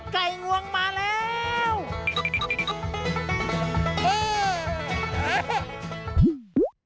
ไก่งวงมาแล้ว